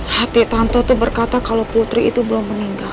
hati tanto itu berkata kalau putri itu belum meninggal